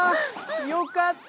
よかった。